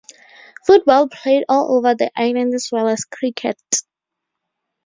Football played all over the island as well as cricket.